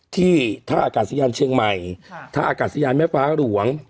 ที่ท่าอากาศยานเชียงใหม่ท่าอากาศยานแม่ฟ้าหลวง